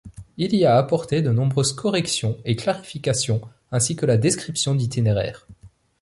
Il y a apporté de nombreuses corrections et clarifications ainsi que la description d'itinéraires.